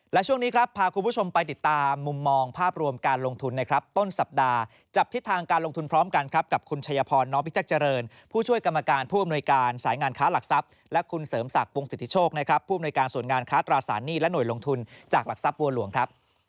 และช่วงนี้ครับพาคุณผู้ชมไปติดตามมุมมองภาพรวมการลงทุนนะครับต้นสัปดาห์จับทิศทางการลงทุนพร้อมกันครับกับคุณชัยพรน้องพิทักษ์เจริญผู้ช่วยกรรมการผู้อำนวยการสายงานค้าหลักทรัพย์และคุณเสริมศักดิ์วงสิทธิโชคนะครับผู้อำนวยการส่วนงานค้าตราสารหนี้และหน่วยลงทุนจากหลักทรัพย์บัวหลวงครับ